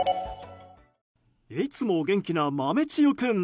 いつも元気な豆千代君。